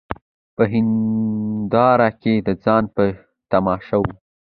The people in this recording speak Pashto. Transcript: په هینداره کي د ځان په تماشا وه